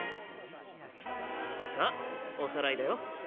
さあおさらいだよ。